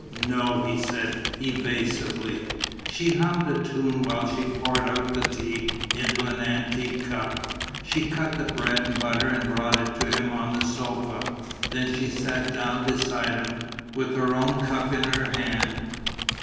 "No," he said, evasively. She hummed a tune while she poured out the tea into an antique cup. She cut the bread and butter and brought it to him on the sofa. Then she sat down beside him, with her own cup in her hand.